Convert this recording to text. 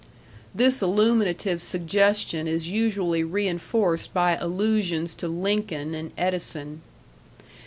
This illuminative suggestion is usually reinforced by allusions to Lincoln and Edison.